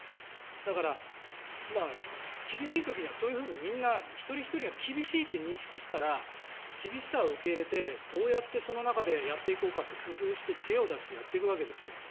だから、厳しい時にはそういうふうに一人ひとりが厳しいって認識したら厳しさを受け入れてどうやってその中でやっていこうかって工夫して知恵を出してやっていくわけですよ。